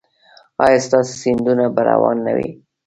ایا ستاسو سیندونه به روان نه وي؟